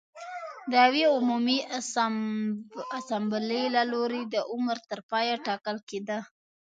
د یوې عمومي اسامبلې له لوري د عمر تر پایه ټاکل کېده